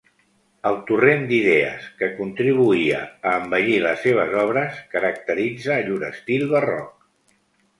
El torrent d'idees que contribuïa a embellir les seves obres caracteritza llur estil barroc.